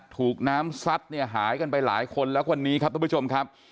ถูกน้ำซัดเนี่ยหายกันไปหลายคนแล้วคนนี้ครับทุกผู้ชมครับ